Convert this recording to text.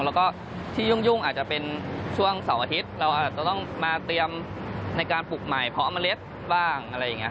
แล้วก็ที่ยุ่งอาจจะเป็นช่วงเสาร์อาทิตย์เราอาจจะต้องมาเตรียมในการปลุกใหม่เพราะอำเมริกบ้าง